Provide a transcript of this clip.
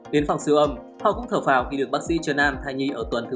đến phòng sửa âm họ cũng thở phào khi được bác sĩ trần nam thay nhi ở tuần thứ ba mươi bảy